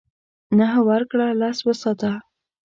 نهه ورکړه لس وساته .